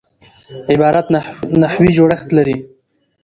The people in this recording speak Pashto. عبارت نحوي جوړښت لري.